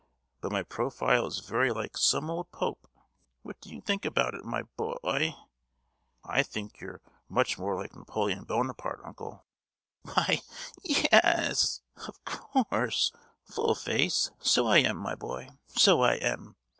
But my profile is very like some old pope. What do you think about it, my bo—oy?" "I think you are much more like Napoleon Buonaparte, uncle!" "Why, ye—yes, of course—full face; so I am, my boy, so I am!